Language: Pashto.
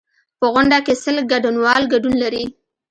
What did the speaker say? په غونډه کې سل ګډونوال ګډون لري.